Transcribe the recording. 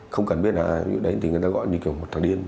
không cần biết là ai đấy thì người ta gọi như kiểu một thằng điên